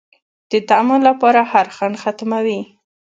د طمعو لپاره هر خنډ ختموي